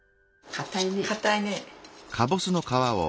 かたいね。